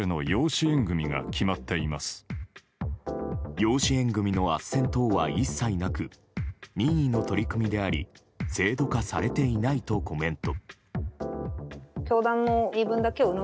養子縁組のあっせん等は一切なく任意の取り組みであり制度化されていないとコメント。